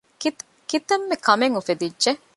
ކިތަންމެ ކަމެއް އުފެދިއްޖެ